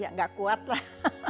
ya gak kuat lah